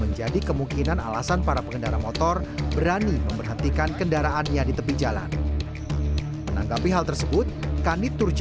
menjadi kemungkinan alasan para pengendara motor berani memperhatikan kendaraannya di tepi jalan